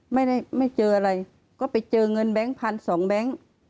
ไม่เจออะไรก็ไปเจอเงินแบนก์ฟัน๒แบงค์